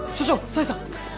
紗枝さん！